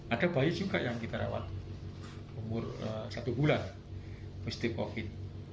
ada bayi juga yang kita rawat umur satu bulan positif covid